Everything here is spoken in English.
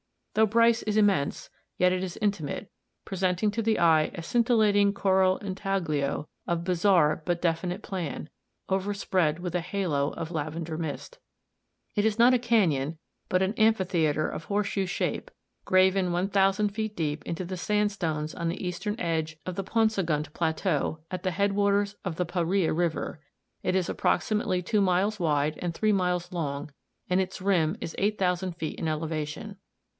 Though Bryce is immense, yet it is intimate, presenting to the eye a scintillating coral intaglio of bizarre but definite plan, overspread with a halo of lavender mist. It is not a canyon, but an amphitheatre of horseshoe shape, graven 1,000 feet deep into the sandstones on the eastern edge of the Paunsaugunt Plateau, at the headwaters of the Pahreah River; it is approximately two miles wide and three miles long and its rim is 8,000 feet in elevation.